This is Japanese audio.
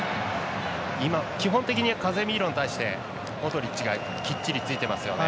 基本的にカゼミーロに対してモドリッチがきっちりついてますよね。